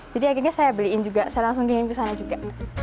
jadi akhirnya saya beliin juga saya langsung pingin ke sana juga